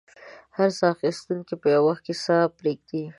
هر ساه اخیستونکی به یو وخت ساه پرېږدي.